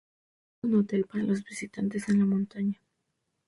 Existe un hotel para los visitantes en la montaña.